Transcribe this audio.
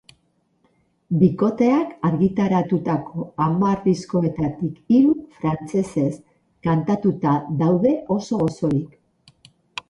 Bikoteak argitaratutako hamar diskoetatik hiru frantsesez kantatuta daude oso osorik.